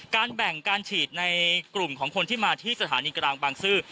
แบ่งการฉีดในกลุ่มของคนที่มาที่สถานีกลางบางซื่อ